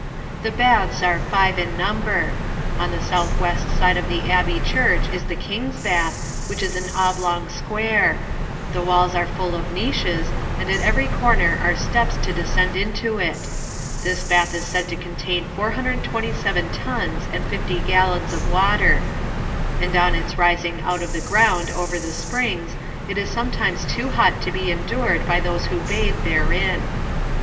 The baths are five in number. On the south west side of the abbey church is the King's Bath, which is an oblong square ; the walls are full of niches, and at every corner are steps to descend into it : this bath is said to contain 427 tons and 50 gallons of water ; and on its rising out of the ground over the springs, it is sometimes too hot to be endured by those who bathe therein.